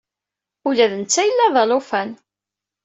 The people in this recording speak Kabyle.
Ula d netta yella d alufan.